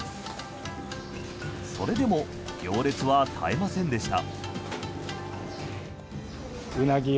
それでも行列は絶えませんでした。